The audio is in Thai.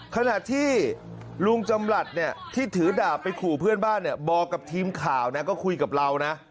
ขณะที่ลุงจำหลัดเนี่ยที่ถือดาบไปขู่เพื่อนบ้านเนี่ยบอกกับทีมข่าวนะก็คุยกับเรานะ